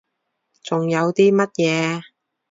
仲有啲乜嘢？